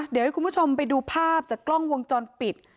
เดี๋ยวให้คุณผู้ชมไปดูภาพจากกล้องวงจรปิด